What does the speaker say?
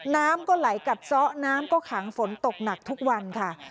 น้ำก็ไหลกัดซ้อน้ำก็ขังฝนตกหนักทุกวันค่ะ